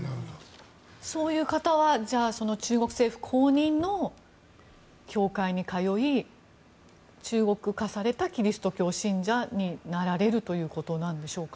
そういう方は、じゃあ中国政府公認の教会に通い中国化されたキリスト教信者になられるということなんでしょうか。